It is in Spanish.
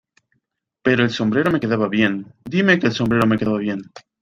¿ Pero el sombrero me quedaba bien? Dime que el sombrero me quedaba bien.